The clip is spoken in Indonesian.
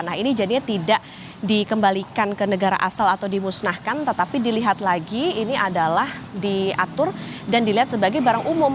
nah ini jadinya tidak dikembalikan ke negara asal atau dimusnahkan tetapi dilihat lagi ini adalah diatur dan dilihat sebagai barang umum